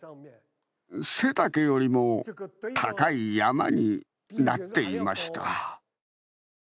背丈よりも高い山になっていました。